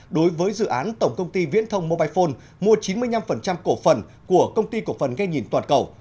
đối với dự án tổng công ty viễn thông mobile phone mua chín mươi năm cổ phần của công ty cổ phần nghe nhìn toàn cầu